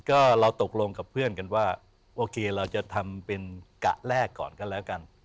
ก็เราตกลงกับเพื่อนกันว่าโอเคเราจะทำเป็นกะแรกก่อนก็แล้วกัน